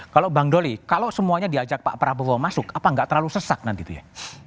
kalau bang doli kalau semuanya diajak pak prabowo masuk apa nggak terlalu sesak nanti itu ya